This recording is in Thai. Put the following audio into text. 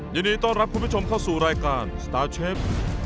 ยินดีต้อนรับคุณผู้ชมเข้าสู่รายการสตาร์เชฟ